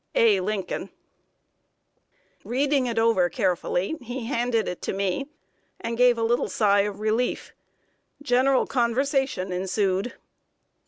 A. LINCOLN. Reading it over carefully, he handed it to me, and gave a little sigh of relief. General conversation ensued.